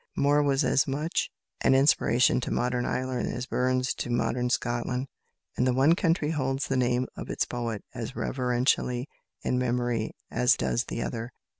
Moore was as much an inspiration to modern Ireland as Burns to modern Scotland, and the one country holds the name of its poet as reverentially in memory as does the other.